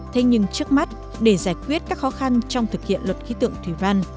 thế nhưng trước mắt để giải quyết các khó khăn trong thực hiện luật khí tượng thủy văn